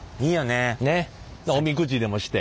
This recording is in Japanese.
ねっおみくじでもして。